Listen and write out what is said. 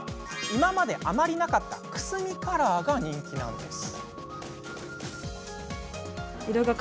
今まであまりなかったくすみカラーが人気なんです。